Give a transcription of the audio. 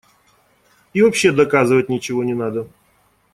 И вообще доказывать ничего не надо.